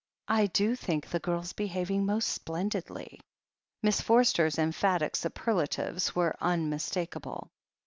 "I do think that girl's behaving most splendidly !" Miss Forster's emphatic superlatives were unmis takable.